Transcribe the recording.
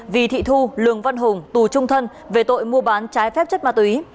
vì thị thu lường văn hùng tù trung thân về tội mua bán trái phép chất ma túy